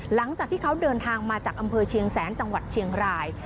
หลังจากที่เขาเดินทางมาจากอำเภอเชียงแสนจังหวัดเชียงราย